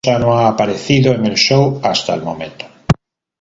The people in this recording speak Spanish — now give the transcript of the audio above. Su esposa no ha aparecido en el show hasta el momento.